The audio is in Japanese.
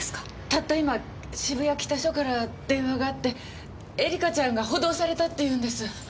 たった今渋谷北署から電話があって絵梨華ちゃんが補導されたって言うんです。